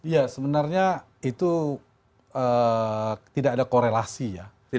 ya sebenarnya itu tidak ada korelasi ya